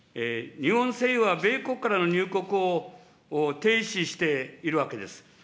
日本政府は米国からの入国を停止しているわけです。